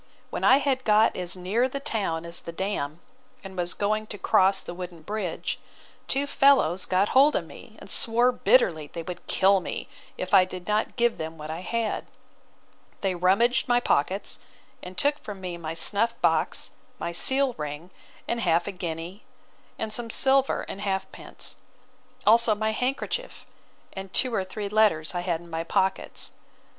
When I had got as near the town as the dam, and was going to cross the wooden bridge, two fellows got hold of me, and swore bitterly they would kill me, if I did not give them what I had. They rummaged my pockets, and took from me my snuff box, my seal ring, and half a guinea, and some silver, and halfpence; also my handkerchief, and two or three letters I had in my pockets.